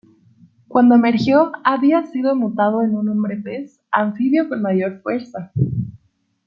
Cuando emergió, había sido mutado en un hombre-pez anfibio con mayor fuerza.